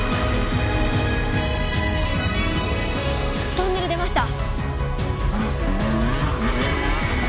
トンネル出ました！